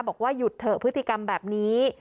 บอกว่าหยุดเถอะพฤติกรรมแบบนี้